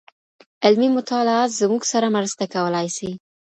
علمي مطالعه زموږ سره مرسته کولای سي.